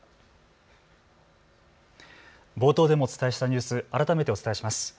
冒頭でもお伝えしたニュース、改めてお伝えします。